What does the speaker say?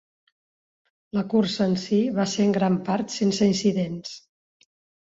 La cursa en si va ser en gran part sense incidents.